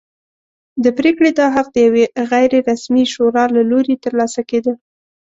د پرېکړې دا حق د یوې غیر رسمي شورا له لوري ترلاسه کېده.